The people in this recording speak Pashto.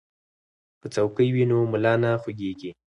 که څوکۍ وي نو ملا نه خوږیږي.